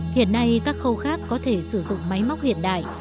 hiện nay các khâu khác có thể sử dụng máy móc hiện đại